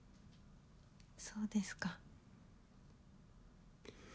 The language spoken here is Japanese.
そうですか。